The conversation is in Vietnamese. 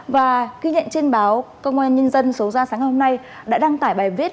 và ghi nhận trên báo công an nhân dân số ra sáng ngày hôm nay đã đăng tải bài viết